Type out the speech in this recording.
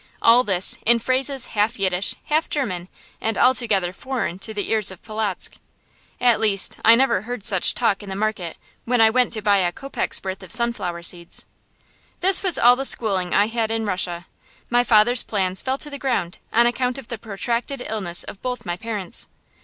All this, in phrases half Yiddish, half German, and altogether foreign to the ears of Polotzk. At least, I never heard such talk in the market, when I went to buy a kopeck's worth of sunflower seeds. This was all the schooling I had in Russia. My father's plans fell to the ground, on account of the protracted illness of both my parents.